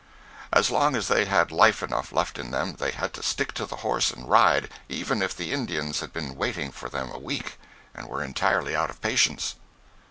As long as they had life enough left in them they had to stick to the horse and ride, even if the Indians had been waiting for them a week, and were entirely out of patience.